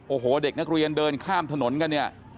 โอ้โหเด็กนักเรียนเดินข้ามถนนกันเนี่ย